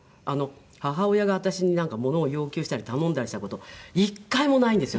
母親が私にものを要求したり頼んだりした事一回もないんですよ